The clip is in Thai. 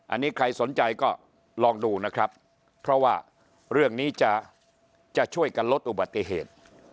อันนี้ใครสนใจก็ลองดูนะครับเพราะว่าเรื่องนี้จะช่วยกันลดอุบัติเหตุ